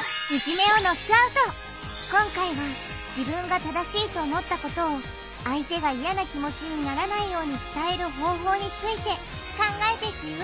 今回は自分が正しいと思ったことを相手が嫌な気持ちにならないように伝える方法について考えていくよ